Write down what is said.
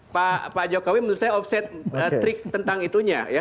pak jokowi menurut saya offset trik tentang itunya ya